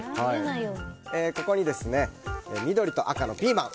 ここに緑と赤のピーマン。